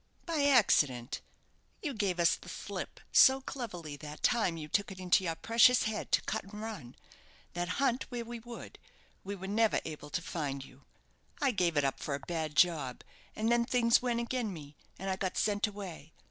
"By accident. You gave us the slip so cleverly that time you took it into your precious head to cut and run, that, hunt where we would, we were never able to find you. I gave it up for a bad job; and then things went agen me, and I got sent away.